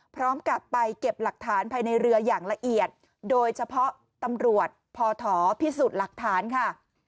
พร้อมกับไปเก็บหลักฐานภายในเรืออย่างละเอียดโดยเฉพาะตำรวจพอถอพิสูจน์หลักฐานค่ะ